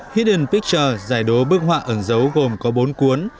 hidden picture giải đố bức họa ẩn dấu gồm có bốn cuốn